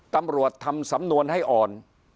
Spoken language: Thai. ตำรวจทำสำนวนให้อ่อน